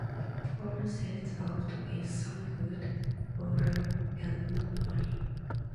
Paul sets out with some food, water, and money.